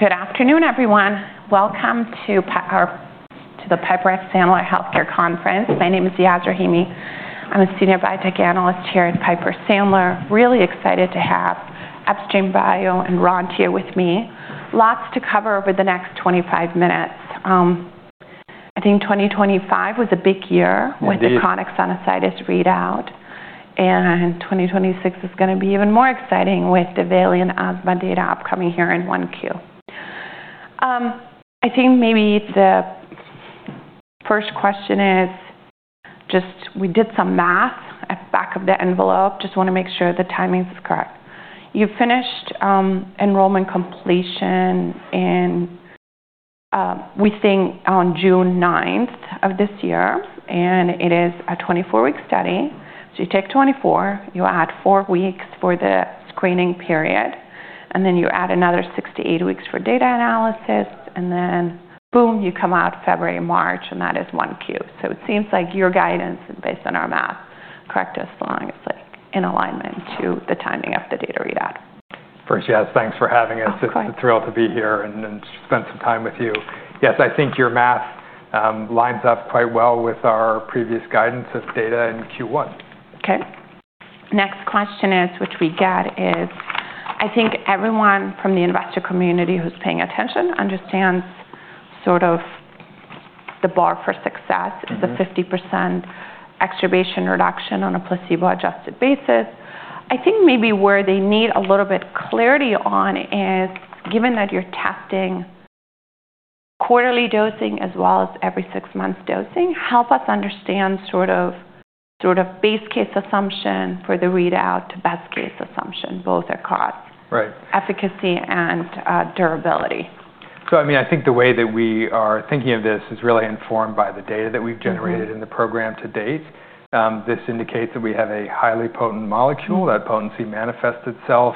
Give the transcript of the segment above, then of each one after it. Good afternoon, everyone. Welcome to the Piper Sandler Healthcare Conference. My name is Yas Rahimi. I'm a senior biotech analyst here at Piper Sandler. Really excited to have Upstream Bio and Rand here with me. Lots to cover over the next 25 minutes. I think 2025 was a big year with the chronic sinusitis readout, and 2026 is going to be even more exciting with the VALIANT asthma data upcoming here in 1Q. I think maybe the first question is just we did some math at the back of the envelope. Just want to make sure the timing is correct. You finished enrollment completion in, we think, on June 9th of this year, and it is a 24-week study. So you take 24, you add four weeks for the screening period, and then you add another six to eight weeks for data analysis, and then boom, you come out February, March, and that is 1Q. So it seems like your guidance, based on our math, correct us as long as it's in alignment to the timing of the data readout. First, yes, thanks for having us. I'm thrilled to be here and spend some time with you. Yes, I think your math lines up quite well with our previous guidance of data in Q1. Okay. Next question is, which we get, is I think everyone from the investor community who's paying attention understands sort of the bar for success is a 50% exacerbation reduction on a placebo-adjusted basis. I think maybe where they need a little bit clarity on is, given that you're testing quarterly dosing as well as every six months dosing, help us understand sort of base case assumption for the readout to best case assumption, both across efficacy and durability. So, I mean, I think the way that we are thinking of this is really informed by the data that we've generated in the program to date. This indicates that we have a highly potent molecule that potency manifests itself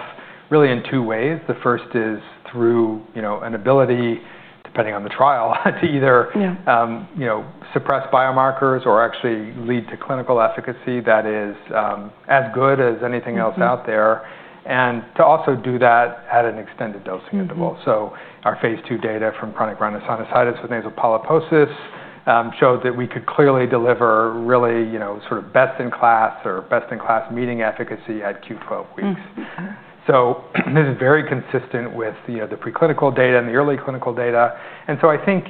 really in two ways. The first is through an ability, depending on the trial, to either suppress biomarkers or actually lead to clinical efficacy that is as good as anything else out there, and to also do that at an extended dosing interval. So our Phase 2 data from chronic rhinosinusitis with nasal polyps showed that we could clearly deliver really sort of best in class meeting efficacy at Q12 weeks. So this is very consistent with the preclinical data and the early clinical data. So I think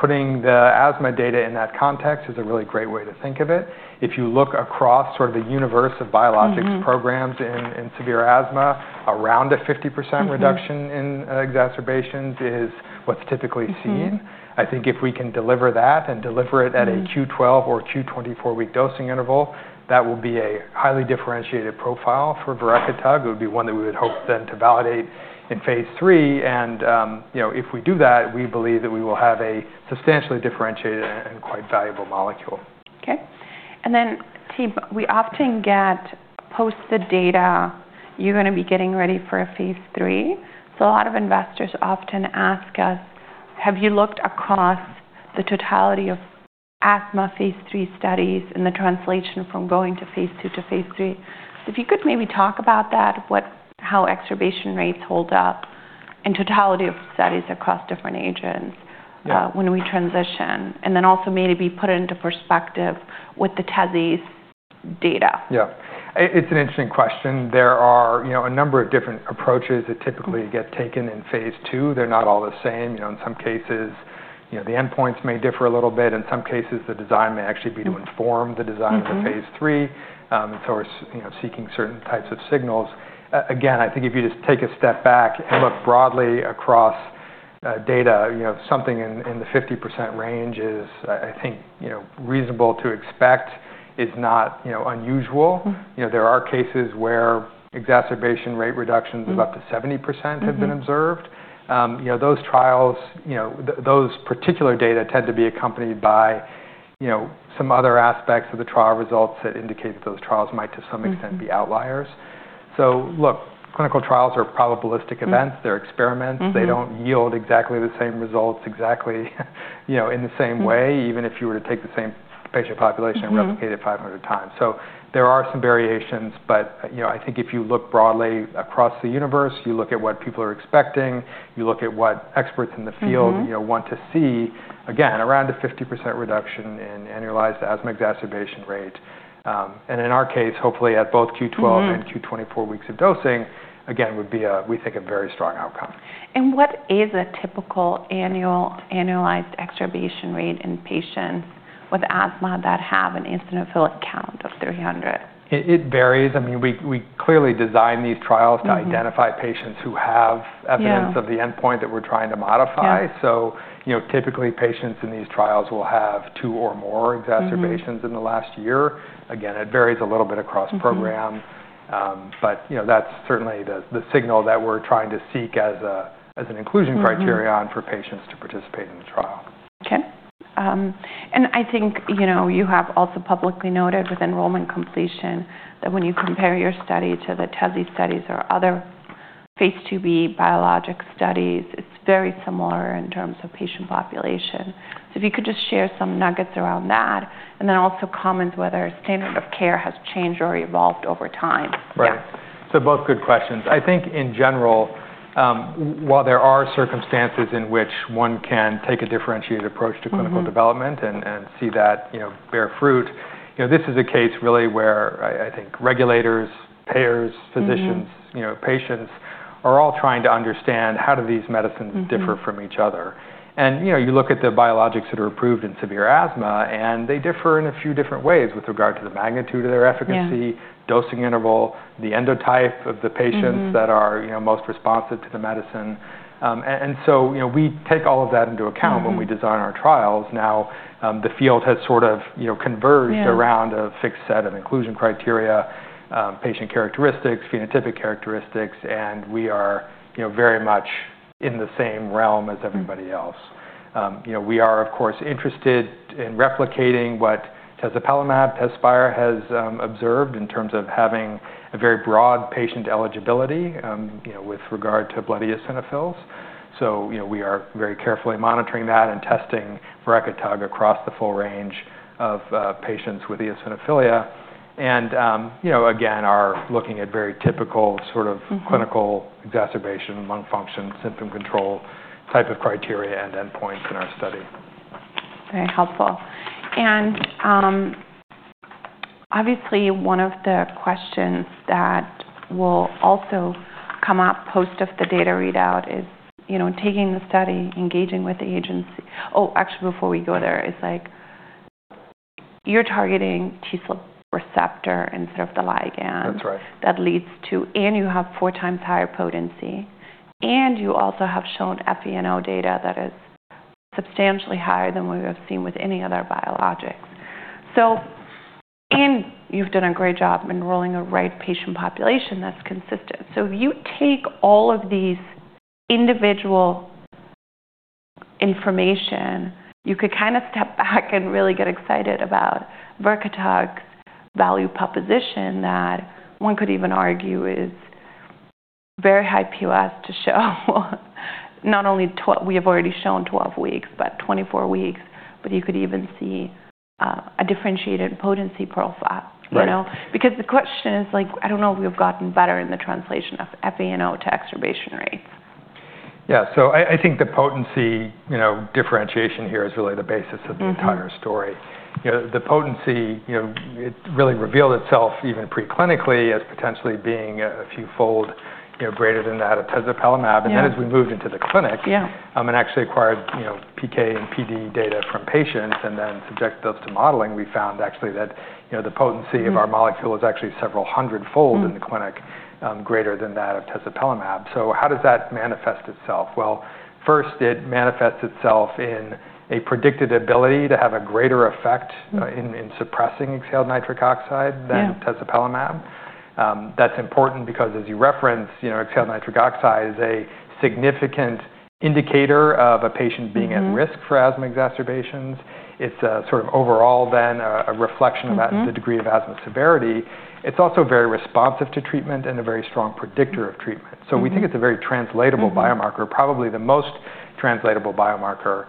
putting the asthma data in that context is a really great way to think of it. If you look across sort of the universe of biologics programs in severe asthma, around a 50% reduction in exacerbations is what's typically seen. I think if we can deliver that and deliver it at a Q12 or Q24 week dosing interval, that will be a highly differentiated profile for verekitug. It would be one that we would hope then to validate in Phase 3. And if we do that, we believe that we will have a substantially differentiated and quite valuable molecule. Okay. And then, team, we often get post the data, you're going to be getting ready for a Phase 3. So a lot of investors often ask us, have you looked across the totality of asthma Phase 3 studies in the translation from going to Phase 2 to Phase 3? So if you could maybe talk about that, how exacerbation rates hold up in totality of studies across different agents when we transition, and then also maybe put it into perspective with the Tez's data. Yeah. It's an interesting question. There are a number of different approaches that typically get taken in Phase 2. They're not all the same. In some cases, the endpoints may differ a little bit. In some cases, the design may actually be to inform the design of the Phase 3. And so we're seeking certain types of signals. Again, I think if you just take a step back and look broadly across data, something in the 50% range is, I think, reasonable to expect is not unusual. There are cases where exacerbation rate reductions of up to 70% have been observed. Those trials, those particular data tend to be accompanied by some other aspects of the trial results that indicate that those trials might, to some extent, be outliers. So look, clinical trials are probabilistic events. They're experiments. They don't yield exactly the same results exactly in the same way, even if you were to take the same patient population and replicate it 500x. So there are some variations, but I think if you look broadly across the universe, you look at what people are expecting, you look at what experts in the field want to see, again, around a 50% reduction in annualized asthma exacerbation rate. And in our case, hopefully at both Q12 and Q24 weeks of dosing, again, would be, we think, a very strong outcome. What is a typical annualized exacerbation rate in patients with asthma that have an eosinophil count of 300? It varies. I mean, we clearly design these trials to identify patients who have evidence of the endpoint that we're trying to modify. So typically, patients in these trials will have two or more exacerbations in the last year. Again, it varies a little bit across program, but that's certainly the signal that we're trying to seek as an inclusion criterion for patients to participate in the trial. Okay. And I think you have also publicly noted with enrollment completion that when you compare your study to the Tez's studies or other Phase 2b biologic studies, it's very similar in terms of patient population. So if you could just share some nuggets around that, and then also comment whether standard of care has changed or evolved over time. Right. So both good questions. I think in general, while there are circumstances in which one can take a differentiated approach to clinical development and see that bear fruit, this is a case really where I think regulators, payers, physicians, patients are all trying to understand how do these medicines differ from each other, and you look at the biologics that are approved in severe asthma, and they differ in a few different ways with regard to the magnitude of their efficacy, dosing interval, the endotype of the patients that are most responsive to the medicine, and so we take all of that into account when we design our trials. Now, the field has sort of converged around a fixed set of inclusion criteria, patient characteristics, phenotypic characteristics, and we are very much in the same realm as everybody else. We are, of course, interested in replicating what tezepelamab, Tezspire has observed in terms of having a very broad patient eligibility with regard to blood eosinophils. So we are very carefully monitoring that and testing verekitug across the full range of patients with eosinophilia. And again, are looking at very typical sort of clinical exacerbation, lung function, symptom control type of criteria and endpoints in our study. Very helpful. And obviously, one of the questions that will also come up post the data readout is taking the study, engaging with the agency. Oh, actually, before we go there, it's like you're targeting TSLP receptor instead of the ligand. That's right. That leads to, and you have four times higher potency. And you also have shown FeNO data that is substantially higher than we have seen with any other biologics. So, and you've done a great job enrolling the right patient population that's consistent. So if you take all of these individual information, you could kind of step back and really get excited about verekitug's value proposition that one could even argue is very high POS to show not only what we have already shown 12 weeks, but 24 weeks, but you could even see a differentiated potency profile. Because the question is like, I don't know if we have gotten better in the translation of FeNO to exacerbation rates. Yeah. So I think the potency differentiation here is really the basis of the entire story. The potency, it really revealed itself even preclinically as potentially being a few fold greater than that of tezepelamab. And then as we moved into the clinic and actually acquired PK and PD data from patients and then subjected those to modeling, we found actually that the potency of our molecule was actually several hundred fold in the clinic greater than that of tezepelamab. So how does that manifest itself? Well, first, it manifests itself in a predicted ability to have a greater effect in suppressing exhaled nitric oxide than tezepelamab. That's important because, as you referenced, exhaled nitric oxide is a significant indicator of a patient being at risk for asthma exacerbations. It's sort of overall then a reflection of that, the degree of asthma severity. It's also very responsive to treatment and a very strong predictor of treatment. So we think it's a very translatable biomarker, probably the most translatable biomarker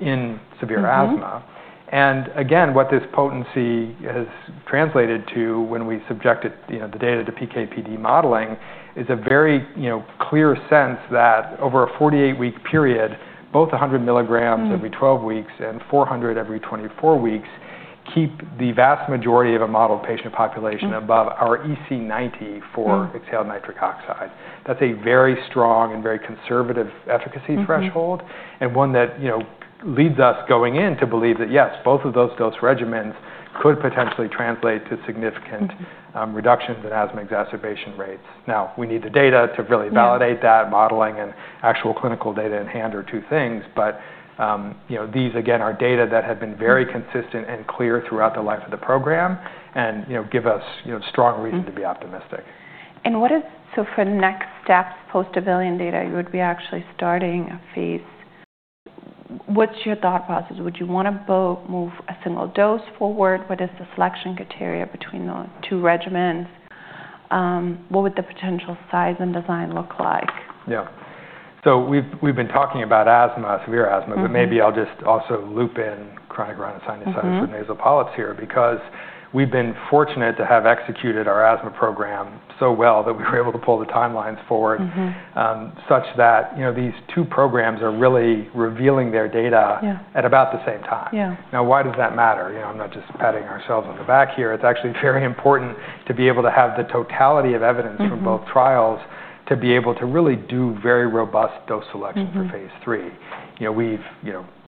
in severe asthma. And again, what this potency has translated to when we subject the data to PK/PD modeling is a very clear sense that over a 48-week period, both 100 mg every 12 weeks and 400 every 24 weeks keep the vast majority of a model patient population above our EC90 for exhaled nitric oxide. That's a very strong and very conservative efficacy threshold and one that leads us going in to believe that, yes, both of those dose regimens could potentially translate to significant reductions in asthma exacerbation rates. Now, we need the data to really validate that modeling and actual clinical data in hand are two things, but these, again, are data that have been very consistent and clear throughout the life of the program and give us strong reason to be optimistic. So for the next steps post the VALIANT data, you would be actually starting a phase. What's your thought process? Would you want to move a single dose forward? What is the selection criteria between the two regimens? What would the potential size and design look like? Yeah. So we've been talking about asthma, severe asthma, but maybe I'll just also loop in chronic rhinosinusitis with nasal polyps here because we've been fortunate to have executed our asthma program so well that we were able to pull the timelines forward such that these two programs are really revealing their data at about the same time. Now, why does that matter? I'm not just patting ourselves on the back here. It's actually very important to be able to have the totality of evidence from both trials to be able to really do very robust dose selection for phase three. We've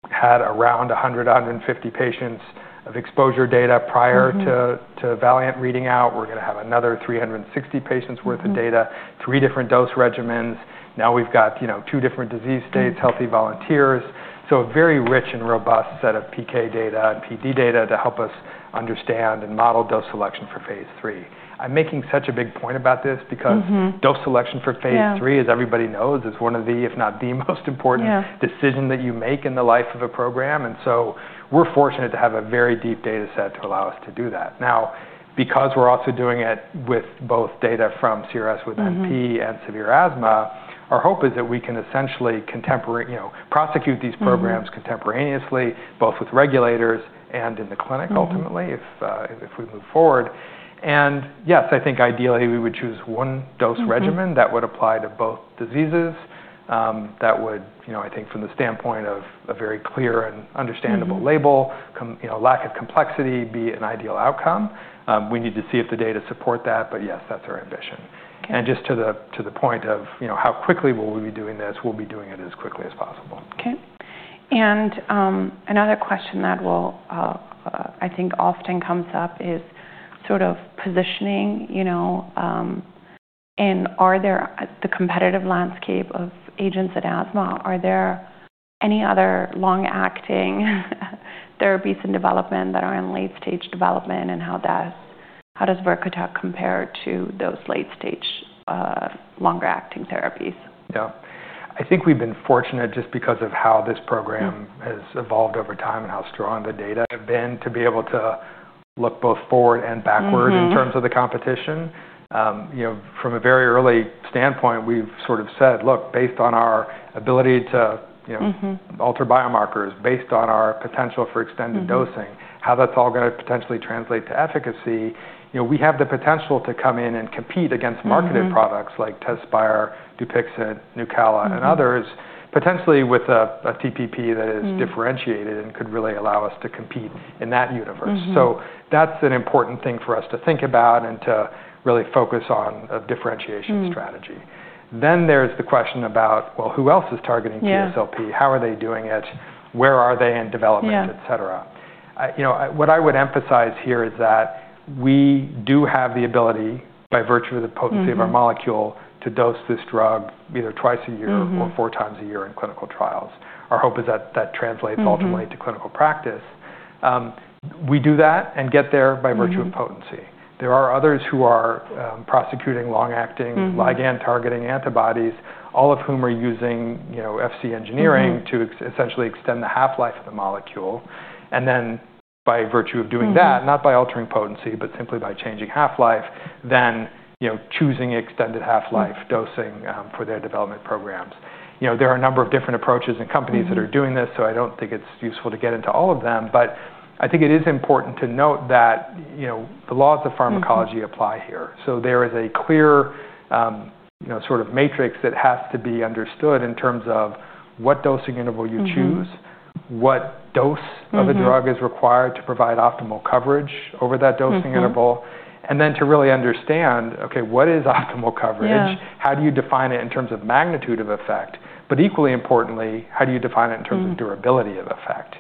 had around 100, 150 patients of exposure data prior to verekitug reading out. We're going to have another 360 patients' worth of data, three different dose regimens. Now we've got two different disease states, healthy volunteers. So a very rich and robust set of PK data and PD data to help us understand and model dose selection for Phase 3. I'm making such a big point about this because dose selection for Phase 3, as everybody knows, is one of the, if not the most important decisions that you make in the life of a program. And so we're fortunate to have a very deep data set to allow us to do that. Now, because we're also doing it with both data from CRS with NP and severe asthma, our hope is that we can essentially prosecute these programs contemporaneously, both with regulators and in the clinic ultimately if we move forward. And yes, I think ideally we would choose one dose regimen that would apply to both diseases that would, I think from the standpoint of a very clear and understandable label, lack of complexity be an ideal outcome. We need to see if the data support that, but yes, that's our ambition. And just to the point of how quickly will we be doing this, we'll be doing it as quickly as possible. Okay. And another question that will, I think, often come up is sort of positioning in the competitive landscape of agents in asthma. Are there any other long-acting therapies in development that are in late-stage development and how does verekitug compare to those late-stage longer-acting therapies? Yeah. I think we've been fortunate just because of how this program has evolved over time and how strong the data have been to be able to look both forward and backward in terms of the competition. From a very early standpoint, we've sort of said, look, based on our ability to alter biomarkers, based on our potential for extended dosing, how that's all going to potentially translate to efficacy. We have the potential to come in and compete against marketed products like Tezspire, Dupixent, Nucala, and others, potentially with a TPP that is differentiated and could really allow us to compete in that universe. So that's an important thing for us to think about and to really focus on a differentiation strategy. Then there's the question about, well, who else is targeting TSLP? How are they doing it? Where are they in development, et cetera? What I would emphasize here is that we do have the ability by virtue of the potency of our molecule to dose this drug either twice a year or 4x a year in clinical trials. Our hope is that that translates ultimately to clinical practice. We do that and get there by virtue of potency. There are others who are prosecuting long-acting ligand-targeting antibodies, all of whom are using FC engineering to essentially extend the half-life of the molecule. And then by virtue of doing that, not by altering potency, but simply by changing half-life, then choosing extended half-life dosing for their development programs. There are a number of different approaches and companies that are doing this, so I don't think it's useful to get into all of them, but I think it is important to note that the laws of pharmacology apply here. So there is a clear sort of matrix that has to be understood in terms of what dosing interval you choose, what dose of a drug is required to provide optimal coverage over that dosing interval, and then to really understand, okay, what is optimal coverage? How do you define it in terms of magnitude of effect? But equally importantly, how do you define it in terms of durability of effect?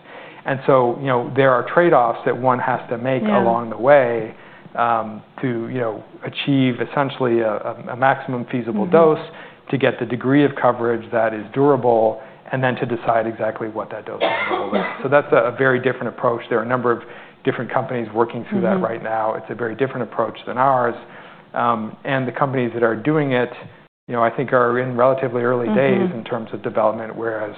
And so there are trade-offs that one has to make along the way to achieve essentially a maximum feasible dose to get the degree of coverage that is durable and then to decide exactly what that dose interval is. So that's a very different approach. There are a number of different companies working through that right now. It's a very different approach than ours. And the companies that are doing it, I think, are in relatively early days in terms of development, whereas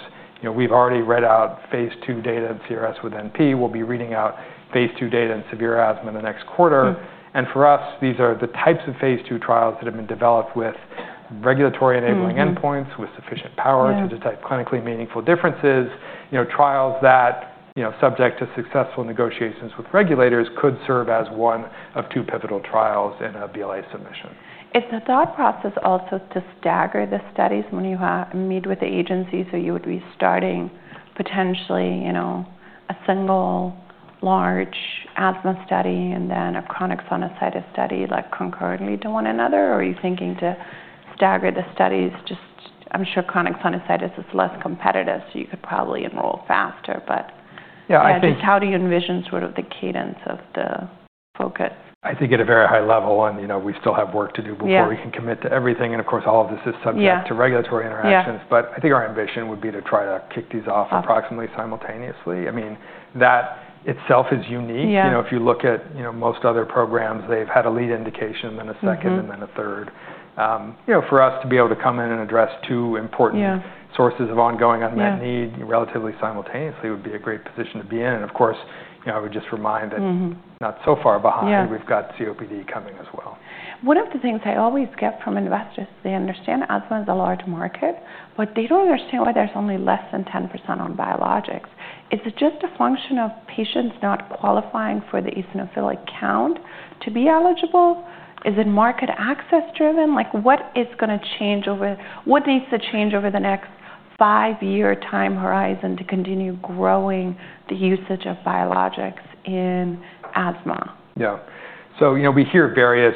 we've already read out Phase 2 data in CRS with NP. We'll be reading out Phase 2 data in severe asthma in the next quarter. And for us, these are the types of Phase 2 trials that have been developed with regulatory enabling endpoints with sufficient power to detect clinically meaningful differences. Trials that, subject to successful negotiations with regulators, could serve as one of two pivotal trials in a BLA submission. Is the thought process also to stagger the studies when you meet with the agency? So you would be starting potentially a single large asthma study and then a chronic sinusitis study like concurrently to one another, or are you thinking to stagger the studies? Just I'm sure chronic sinusitis is less competitive, so you could probably enroll faster, but I guess how do you envision sort of the cadence of the focus? I think at a very high level, and we still have work to do before we can commit to everything. And of course, all of this is subject to regulatory interactions, but I think our ambition would be to try to kick these off approximately simultaneously. I mean, that itself is unique. If you look at most other programs, they've had a lead indication, then a second, and then a third. For us to be able to come in and address two important sources of ongoing unmet need relatively simultaneously would be a great position to be in. And of course, I would just remind that not so far behind, we've got COPD coming as well. One of the things I always get from investors, they understand asthma is a large market, but they don't understand why there's only less than 10% on biologics. Is it just a function of patients not qualifying for the eosinophilic count to be eligible? Is it market access driven? What is going to change over what needs to change over the next five-year time horizon to continue growing the usage of biologics in asthma? Yeah, so we hear various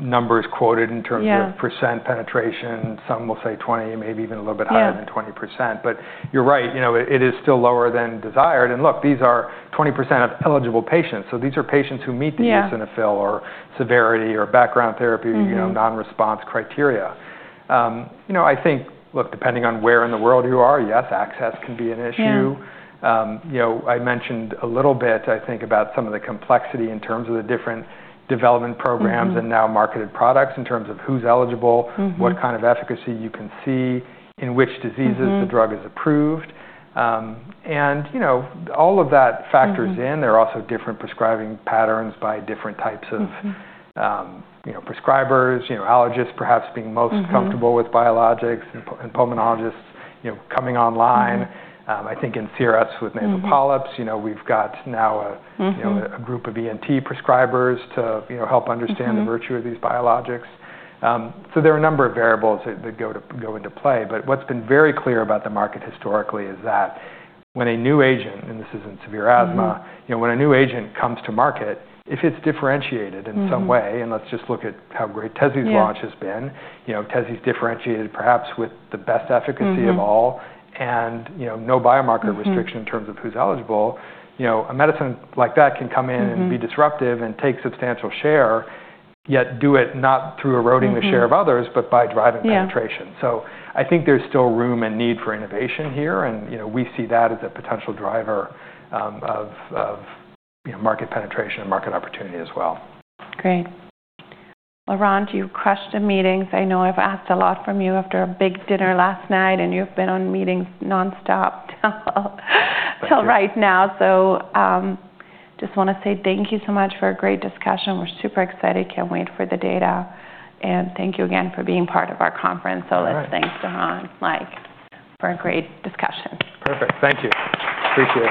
numbers quoted in terms of percent penetration. Some will say 20, maybe even a little bit higher than 20%. But you're right, it is still lower than desired, and look, these are 20% of eligible patients, so these are patients who meet the eosinophil or severity or background therapy non-response criteria. I think, look, depending on where in the world you are, yes, access can be an issue. I mentioned a little bit, I think, about some of the complexity in terms of the different development programs and now marketed products in terms of who's eligible, what kind of efficacy you can see, in which diseases the drug is approved, and all of that factors in. There are also different prescribing patterns by different types of prescribers, allergists perhaps being most comfortable with biologics, and pulmonologists coming online. I think in CRS with nasal polyps, we've got now a group of ENT prescribers to help understand the virtue of these biologics. So there are a number of variables that go into play. But what's been very clear about the market historically is that when a new agent, and this is in severe asthma, when a new agent comes to market, if it's differentiated in some way, and let's just look at how great Tezspire's launch has been, Tez's differentiated perhaps with the best efficacy of all and no biomarker restriction in terms of who's eligible, a medicine like that can come in and be disruptive and take substantial share, yet do it not through eroding the share of others, but by driving penetration. So I think there's still room and need for innovation here, and we see that as a potential driver of market penetration and market opportunity as well. Great. Well, Rand, do you crush the meetings? I know I've asked a lot from you after a big dinner last night, and you've been on meetings nonstop till right now. So just want to say thank you so much for a great discussion. We're super excited. Can't wait for the data. And thank you again for being part of our conference. So let's thank Rand, Mike, for a great discussion. Perfect. Thank you. Appreciate it.